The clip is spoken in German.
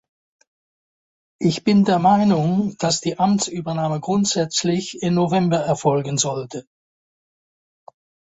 Ich bin der Meinung, dass die Amtsübernahme grundsätzlich im November erfolgen sollte.